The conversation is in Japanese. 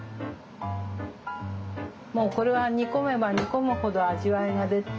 もうこれは煮込めば煮込むほど味わいが出て。